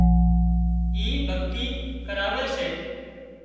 اي ڀڳتي ڪراوي سي